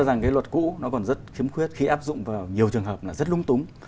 tôi rằng cái luật cũ nó còn rất khiếm khuyết khi áp dụng vào nhiều trường hợp là rất lung túng